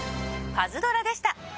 パズドラでした。